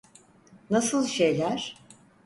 Nasıl şeyler?